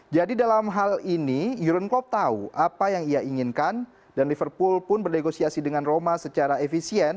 jadi dalam hal ini jurun klopp tahu apa yang ia inginkan dan liverpool pun berdegosiasi dengan roma secara efisien